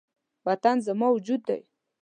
وطن زما وجود دی